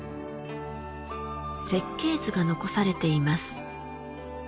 設計図が残されています。